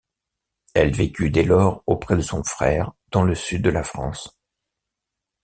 Elle vécut dès lors auprès de son frère dans le sud de la France.